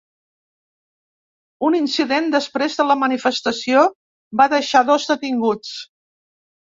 Un incident després de la manifestació va deixar dos detinguts.